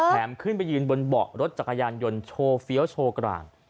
ขึ้นไปยืนบนเบาะรถจักรยานยนต์โชว์เฟี้ยวโชว์กลาง